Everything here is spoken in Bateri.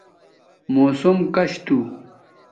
موسم کش تھو